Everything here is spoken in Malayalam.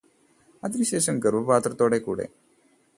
അതിനു ശേഷം ഗര്ഭപാത്ത്രത്തോടെ കൂടെ